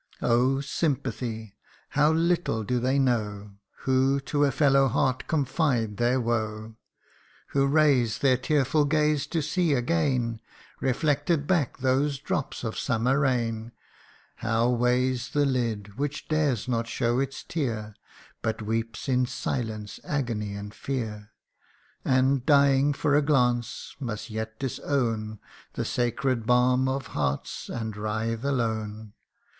" Oh Sympathy ! how little do they know, Who to a fellow heart confide their woe, Who raise their tearful gaze to see again Reflected back those drops of summer rain How weighs the lid which dares not show its tear, But weeps in silence, agony, and fear ; And, dying for a glance, must yet disown The sacred balm of hearts, and writhe alone